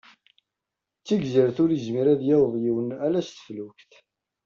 D tigzirt ur yezmir ad yaweḍ yiwen ala s teflukt.